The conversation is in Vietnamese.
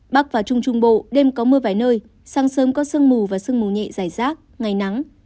bắc và trung trung bộ đêm có mưa vài nơi sáng sớm có sương mù và sương mù nhẹ dài rác ngày nắng